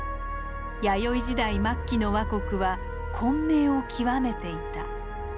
弥生時代末期の倭国は混迷を極めていた。